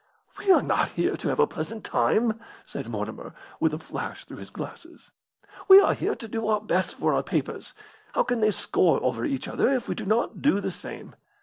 "We are not here to have a pleasant time," said Mortimer, with a flash through his glasses. "We are here to do our best for our papers. How can they score over each other if we do not do the same?